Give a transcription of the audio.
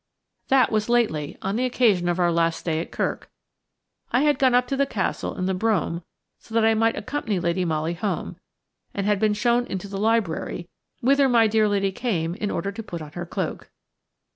That was lately, on the occasion of our last stay at Kirk. I had gone up to the Castle in the brougham so that I might accompany Lady Molly home, and had been shown into the library, whither my dear lady came in order to put on her cloak.